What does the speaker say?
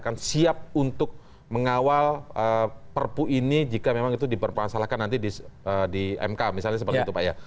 akan siap untuk mengawal perpu ini jika memang itu dipermasalahkan nanti di mk misalnya seperti itu pak ya